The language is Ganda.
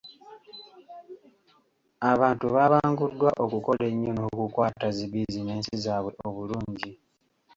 Abantu baabanguddwa okukola ennyo n'okukwata zi bizinesi zaabwe obulungi.